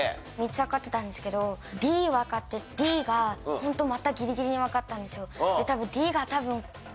３つわかってたんですけどＤわかってＤがホントまたギリギリにわかったんですよ。